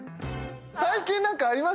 最近何かあります？